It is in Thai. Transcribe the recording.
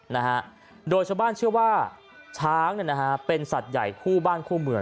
นะฮะโดยชาวบ้านเชื่อว่าช้างเนี่ยนะฮะเป็นสัตว์ใหญ่คู่บ้านคู่เมือง